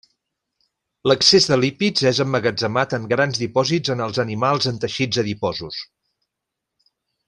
L'excés de lípids és emmagatzemat en grans dipòsits en els animals en teixits adiposos.